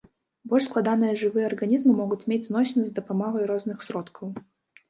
Больш складаныя жывыя арганізмы могуць мець зносіны з дапамогай розных сродкаў.